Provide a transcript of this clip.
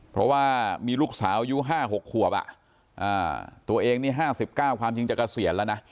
เพราะว่ามีลูกสาวอายุห้าหกขวบอ่ะอ่าตัวเองนี่ห้าสิบเก้าความจริงจากเกษียณแล้วนะ